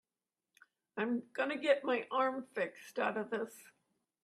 I'm gonna get my arm fixed out of this.